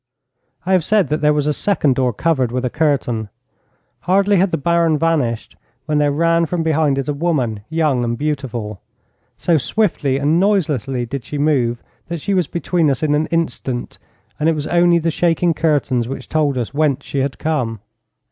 I have said that there was a second door covered with a curtain. Hardly had the Baron vanished when there ran from behind it a woman, young and beautiful. So swiftly and noiselessly did she move that she was between us in an instant, and it was only the shaking curtains which told us whence she had come.